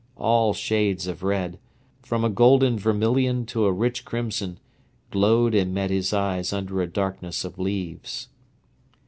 All shades of red, from a golden vermilion to a rich crimson, glowed and met his eyes under a darkness of leaves.